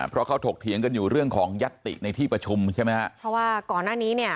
เพราะเขาถกเถียงกันอยู่เรื่องของยัตย์ติในที่ประชุมแต่ว่าก่อนหน้านี้